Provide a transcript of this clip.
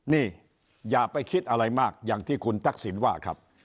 นี่อย่าไปคิดอะไรมากอย่างที่คุณทักษิณว่าครับ